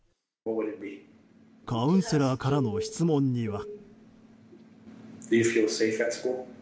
カウンセラーからの質問には。